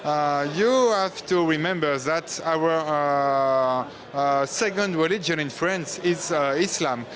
anda harus ingat bahwa religi kedua kita di perancis adalah islam